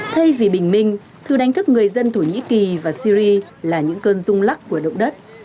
thay vì bình minh thư đánh thức người dân thổ nhĩ kỳ và syri là những cơn rung lắc của động đất